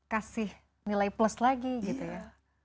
kasih nilai plus lagi gitu ya